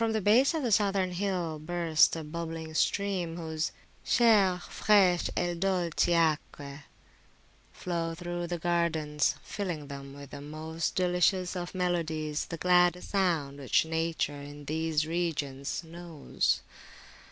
148] the base of the Southern hill bursts a bubbling stream, whose Chaire, fresche e dolci acque flow through the gardens, filling them with the most delicious of melodies, the gladdest sound which Nature in these regions knows.